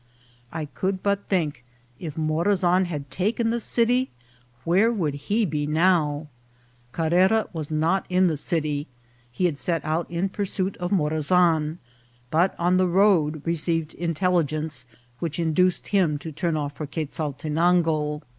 I could but think, if Morazan had taken the city, where would he be now ? Carrera was not in the city ; he had set out in pursuit of Morazan, but on the road received intelligence which induced him to turn off for Quezaltenango.